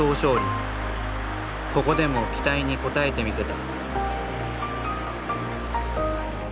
ここでも期待に応えてみせた。